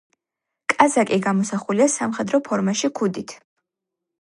კაზაკი გამოსახულია სამხედრო ფორმაში ქუდით.